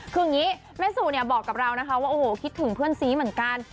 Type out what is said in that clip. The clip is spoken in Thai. คืออย่างนี้แม่สู่เนี่ยบอกกับเรานะคะว่าโอ้โหคิดถึงเพื่อนซีเหมือนกัน